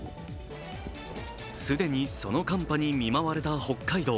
既にその寒波に見舞われた北海道。